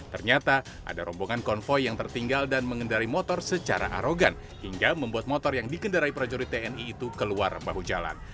ternyata ada rombongan konvoy yang tertinggal dan mengendari motor secara arogan hingga membuat motor yang dikendarai prajurit tni itu keluar bahu jalan